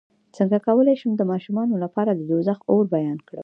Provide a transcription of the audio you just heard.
څنګه کولی شم د ماشومانو لپاره د دوزخ اور بیان کړم